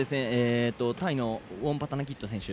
タイのウオンパタナキット選手